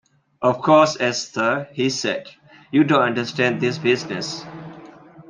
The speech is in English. "Of course, Esther," he said, "you don't understand this business?"